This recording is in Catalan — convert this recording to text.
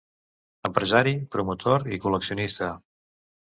Empresari, promotor i col·leccionista.